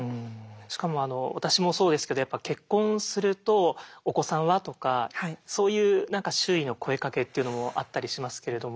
しかも私もそうですけどやっぱ結婚すると「お子さんは？」とかそういう何か周囲の声かけっていうのもあったりしますけれども。